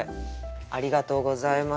ありがとうございます。